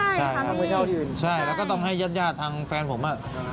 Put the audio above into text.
ใช่ครับใช่แล้วก็ต้องให้ญาติญาติทางแฟนผมช่วยกันจัดพื้นที่